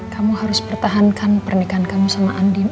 kamu harus pertahankan pernikahan kamu sama andin